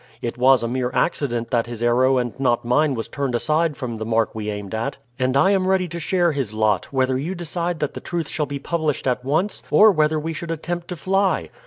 It was a mere accident that his arrow and not mine was turned aside from the mark we aimed at, and I am ready to share his lot, whether you decide that the truth shall be published at once, or whether we should attempt to fly."